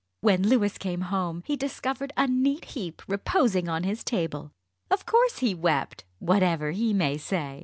When Louis came home he discovered a neat heap reposing on his table. Of course he wept whatever he may say.